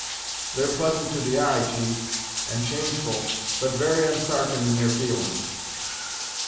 They're pleasant to the eye, chief, and changeful, but very unsartain in their feelin's!"